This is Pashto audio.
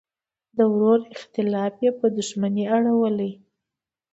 د ورور اختلاف یې په دوښمنۍ اړولی.